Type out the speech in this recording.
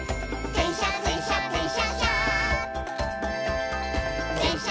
「でんしゃでんしゃでんしゃっしゃ」